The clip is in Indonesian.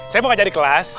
saya mau ngajar di kelas